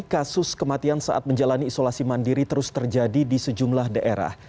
kasus kematian saat menjalani isolasi mandiri terus terjadi di sejumlah daerah